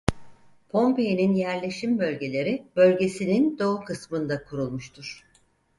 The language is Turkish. Pompei'nin yerleşim bölgeleri bölgesinin doğu kısmında kurulmuştur.